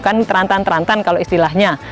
kan terantan terantan kalau istilahnya